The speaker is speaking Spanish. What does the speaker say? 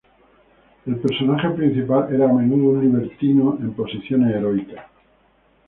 El personaje principal era a menudo un libertino, en posiciones heroicas.